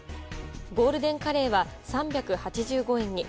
ゴールデンカレーは３８５円に。